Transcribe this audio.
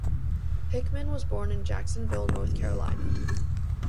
Hickman was born in Jacksonville, North Carolina.